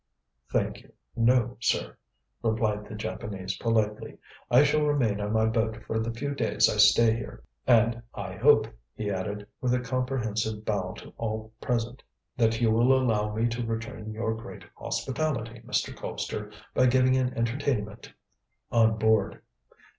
"Thank you, no, sir," replied the Japanese politely. "I shall remain on my boat for the few days I stay here. And I hope," he added, with a comprehensive bow to all present, "that you will allow me to return your great hospitality, Mr. Colpster, by giving an entertainment on board."